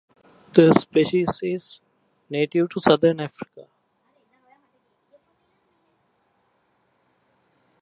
The species is native to Southern Africa.